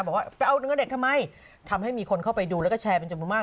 บอกว่าไปเอาเงินเด็กทำไมทำให้มีคนเข้าไปดูแล้วก็แชร์เป็นจำนวนมาก